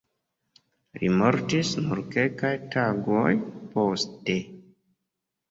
Li mortis nur kelkaj tagoj poste.